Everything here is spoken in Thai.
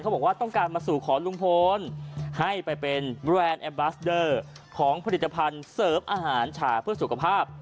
บอกว่าต้องการมาสู่ขอลุงพลให้ไปเป็นแบรนด์แอมบาสเดอร์ของผลิตภัณฑ์เสริมอาหารฉาเพื่อสุขภาพ